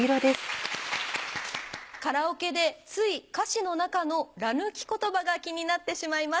カラオケでつい歌詞の中のら抜き言葉が気になってしまいます。